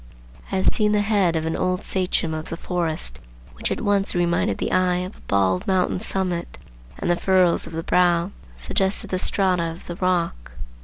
I have seen the head of an old sachem of the forest which at once reminded the eye of a bald mountain summit, and the furrows of the brow suggested the strata of the rock.